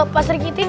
pak sergi ti